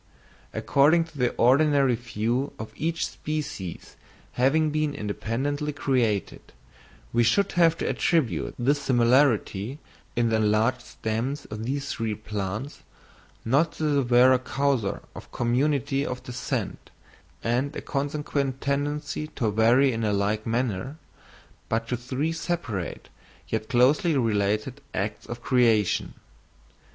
According to the ordinary view of each species having been independently created, we should have to attribute this similarity in the enlarged stems of these three plants, not to the vera causa of community of descent, and a consequent tendency to vary in a like manner, but to three separate yet closely related acts of creation.